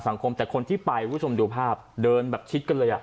สังคมแต่คนที่ไปคุณผู้ชมดูภาพเดินแบบชิดกันเลยอ่ะ